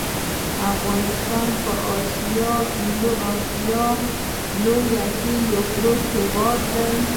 افغانستان په اسیا لویه کې یو پروت هیواد دی .